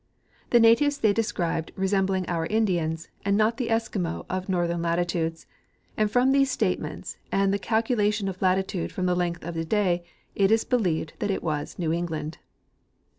The na tives the}'' described resembled our Indians and not the Eskimo of northern latitudes, and from these statements and the calcu lation of latitude from the length of the day, it is believed that it was New England.